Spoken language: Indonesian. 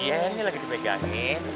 iya ini lagi dipegangin